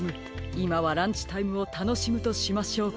いまはランチタイムをたのしむとしましょうか。